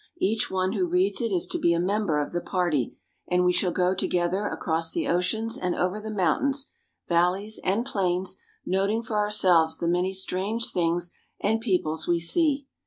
Each one who reads it is to be a member of the party, and we shall go together across the oceans and over the mountains, valleys, and plains, noting for ourselves the many strange things and peoples we see.